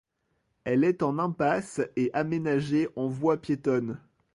Elle est en impasse et aménagée en voie piétonne.